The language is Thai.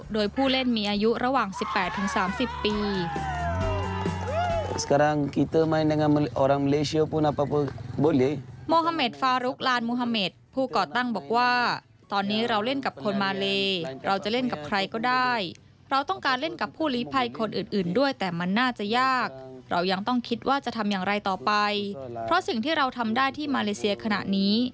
โดยผู้เล่นมีอายุระหว่าง๑๘๓๐ปี